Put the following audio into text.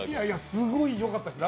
すごいよかったです。